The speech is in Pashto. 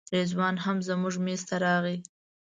رضوان هم زموږ میز ته راغی.